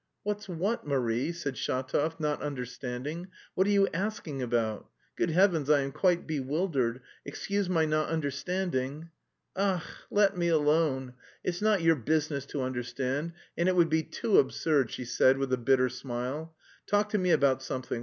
"What's what, Marie?" said Shatov, not understanding. "What are you asking about? Good heavens! I am quite bewildered, excuse my not understanding." "Ach, let me alone; it's not your business to understand. And it would be too absurd..." she said with a bitter smile. "Talk to me about something.